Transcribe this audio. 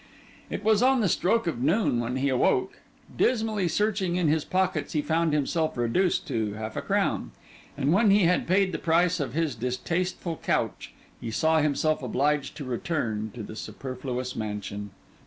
It was on the stroke of noon when he awoke. Dismally searching in his pockets, he found himself reduced to half a crown; and when he had paid the price of his distasteful couch, saw himself obliged to return to the Superfluous Mansion.